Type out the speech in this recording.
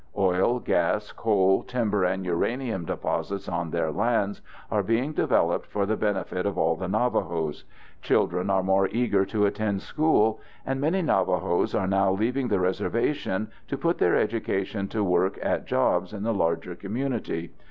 Oil, gas, coal, timber, and uranium deposits on their lands are being developed for the benefit of all the Navajos. Children are more eager to attend school, and many Navajos are now leaving the reservation to put their education to work at jobs in the larger community.